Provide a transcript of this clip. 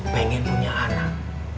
pengen punya anak